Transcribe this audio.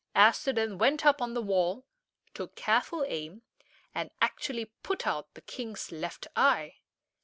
Aster then went up on the wall, took careful aim, and actually put out the king's left eye.